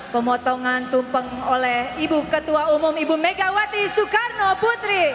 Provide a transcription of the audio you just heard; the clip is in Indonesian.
pemotongan tumpeng oleh ibu ketua umum ibu megawati soekarno putri